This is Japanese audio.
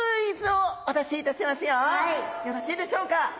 よろしいでしょうか？